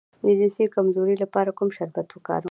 د جنسي کمزوری لپاره کوم شربت وکاروم؟